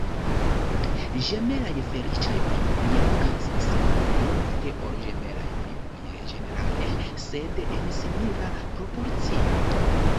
Ĝemelaj feliĉaj primoj okazas malpli ofte ol ĝemelaj primoj ĝenerale, sed en simila proporcio.